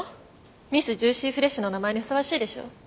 ミスジューシーフレッシュの名前にふさわしいでしょう？